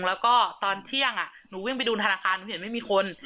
แล้วก็ตอนเที่ยงหนูวิ่งไปดูธนาคารหนูเห็นไม่มีคน